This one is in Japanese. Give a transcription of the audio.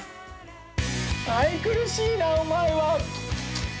◆愛くるしいなあ、お前は。